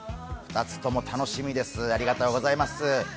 ２つとも楽しみですありがとうございます。